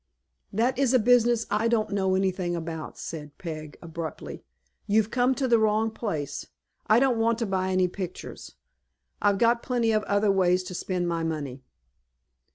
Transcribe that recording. "That is a business I don't know anything about," said Peg, abruptly. "You've come to the wrong place. I don't want to buy any pictures. I've got plenty of other ways to spend my money."